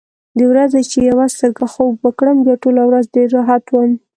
د ورځې چې یوه سترګه خوب وکړم، بیا ټوله ورځ ډېر راحت وم.